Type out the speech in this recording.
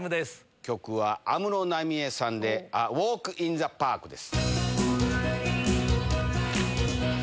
曲は安室奈美恵さんで、ア・ウォーク・イン・ザ・パークです。